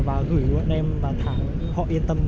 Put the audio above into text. và gửi bọn em và thả họ yên tâm